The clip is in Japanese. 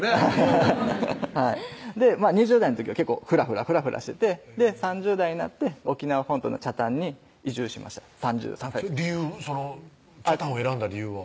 ハハハッはい２０代の時は結構フラフラフラフラしてて３０代になって沖縄本島の北谷に移住しました３３歳の時北谷を選んだ理由は？